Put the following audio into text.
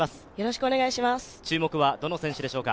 注目はどの選手でしょうか。